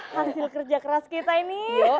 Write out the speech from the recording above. hasil kerja keras kita ini